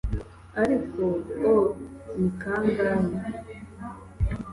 Ariko O ni kangahe